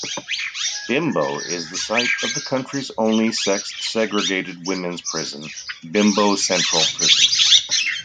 Bimbo is the site of the country's only sex-segregated women's prison, Bimbo Central Prison.